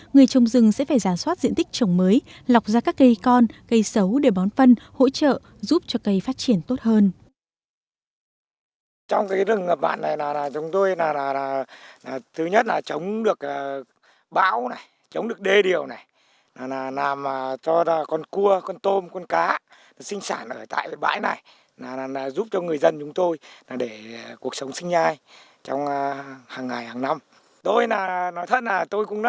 người trồng rừng sẽ phải giả soát diện tích trồng mới lọc ra các cây con cây xấu để bón phân hỗ trợ giúp cho cây phát triển tốt hơn